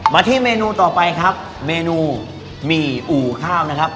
มาที่เมนูต่อไปครับเมนูหมี่อู่ข้าวนะครับ